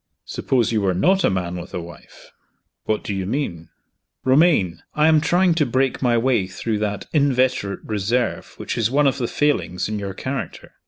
"Suppose you were not a man with a wife." "What do you mean?" "Romayne, I am trying to break my way through that inveterate reserve which is one of the failings in your character.